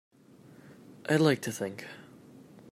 I'd like to think.